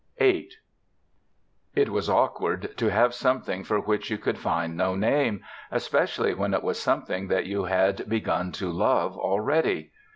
VIII It was awkward to have something for which you could find no name, especially when it was something that you had begun to love already.